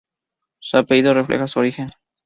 Su apellido refleja su origen.